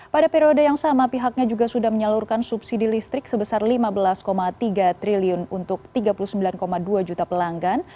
pada periode yang sama pihaknya juga sudah menyalurkan subsidi listrik sebesar rp lima belas tiga triliun untuk tiga puluh sembilan dua juta pelanggan